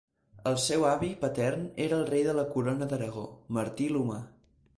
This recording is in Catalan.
El seu avi patern era el rei de la Corona d'Aragó, Martí l'Humà.